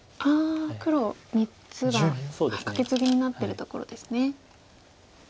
黒３つがカケツギになってるところですね。